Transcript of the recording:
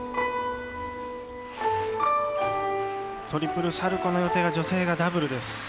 トリプルサルコーの予定が女性がダブルです。